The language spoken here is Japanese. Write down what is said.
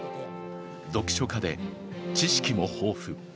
読書家で、知識も豊富。